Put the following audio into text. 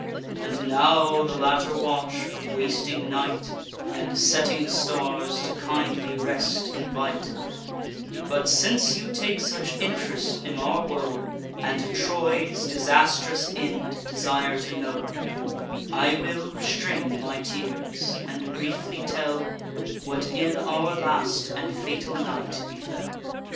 And now the latter watch of wasting night, And setting stars, to kindly rest invite; But, since you take such int'rest in our woe, And Troy's disastrous end desire to know, I will restrain my tears, and briefly tell What in our last and fatal night befell.